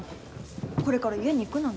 これから家に行くのに。